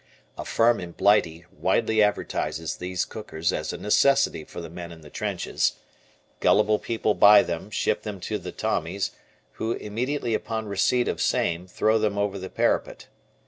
(A firm in Blighty widely advertises these cookers as a necessity for the men in the trenches. Gullible people buy them, ship them to the Tommies, who, immediately upon receipt of same throw them over the parapet.